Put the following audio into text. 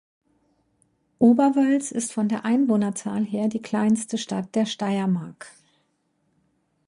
Oberwölz ist von der Einwohnerzahl her die kleinste Stadt der Steiermark.